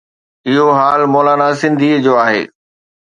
اهو حال مولانا سنڌي جو آهي.